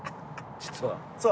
実は。